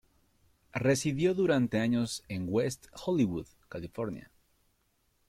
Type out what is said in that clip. Residió durante años en West Hollywood, California.